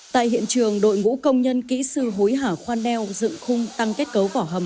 tại hiện trường đội ngũ công nhân kỹ sư hối hả khoan neo dựng khung tăng kết cấu vỏ hầm